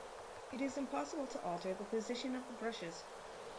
It is impossible to alter the position of the brushes.